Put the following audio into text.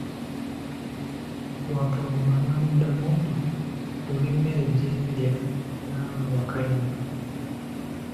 Wampologoma n'amuddamu nti, oli mmere gyendi nawe Wakayima.